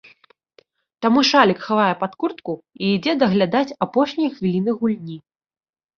Таму шалік хавае пад куртку і ідзе даглядаць апошнія хвіліны гульні.